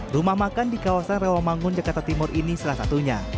rumah makan di kawasan rawamangun jakarta timur ini salah satunya